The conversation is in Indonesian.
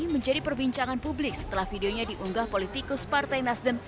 menjadi perbincangan publik setelah videonya diunggah politikus partai nasdem